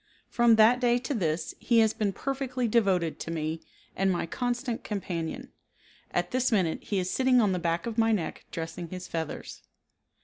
From that day to this he has been perfectly devoted to me and my constant companion. At this minute he is sitting on the back of my neck dressing his feathers.